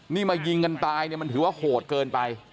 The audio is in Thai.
นี่มายิงกันตายเนี่ยมันถือว่าโหดเกินไป